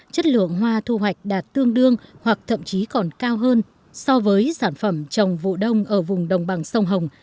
chất lượng hoa thu hoạch đạt tương đương hoặc thậm chí còn cao hơn so với sản phẩm trồng vụ đông ở vùng đồng bằng sông hồng